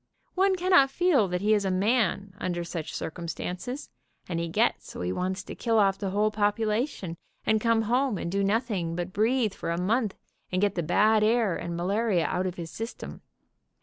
One cannot feel that he is a man under such circumstances, and he gets so he wants to kill off the whole population and come home and do noth ing but breathe for a month, and get the bad air and malaria out of his system.